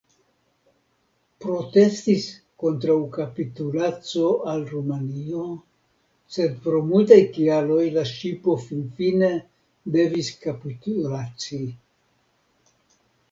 Protestis kontraŭ kapitulaco al Rumanio, sed pro multaj kialoj la ŝipo finfine devis kapitulaci.